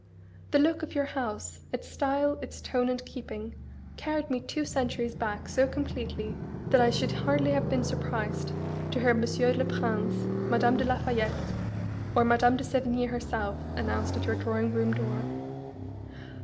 The look of your house, its style, its tone and keeping, carried me two centuries back so completely that I should hardly have been surprised to hear Monsieur le Prince, Madame de la Fayette, or Madame de Sévigné herself, announced at your drawing room door."